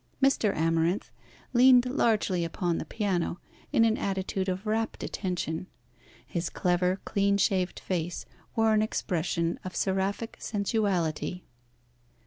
Mr. Amarinth leaned largely upon the piano, in an attitude of rapt attention. His clever, clean shaved face wore an expression of seraphic sensuality.